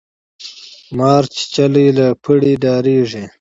ـ مارچيچلى له پړي ډاريږي.